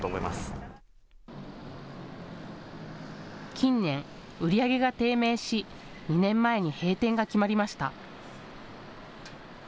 近年、売り上げが低迷し２年前に閉店が決まりました。